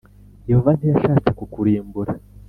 Yehova ntiyashatse kukurimbura.